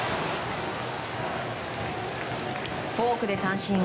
フォークで三振。